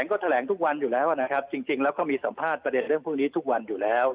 ก็แถลงทุกวันอยู่แล้วนะครับจริงแล้วก็มีสัมภาษณ์ประเด็นเรื่องพวกนี้ทุกวันอยู่แล้ว